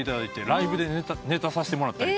ライブでネタさせてもらったりとか。